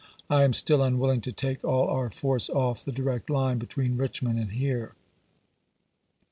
I am still unwilling to take all our £ylf^^i force off the direct line between Richmond and here. w.